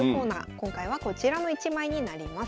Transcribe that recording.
今回はこちらの一枚になります。